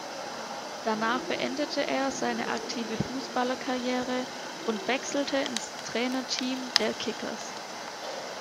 Danach beendete er seine aktive Fußballerkarriere und wechselte ins Trainerteam der Kickers.